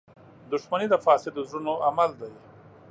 • دښمني د فاسدو زړونو عمل دی.